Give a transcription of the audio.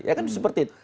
ya kan seperti itu